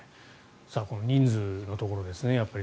この人数のところですね。